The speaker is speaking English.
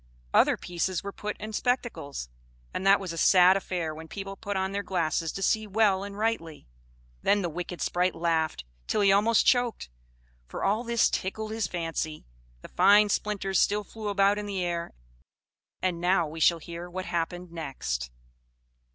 Other pieces were put in spectacles; and that was a sad affair when people put on their glasses to see well and rightly. Then the wicked sprite laughed till he almost choked, for all this tickled his fancy. The fine splinters still flew about in the air: and now we shall hear what happened next.